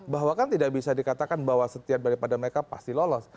bahwa kan tidak bisa dikatakan bahwa setiap daripada mereka pasti lolos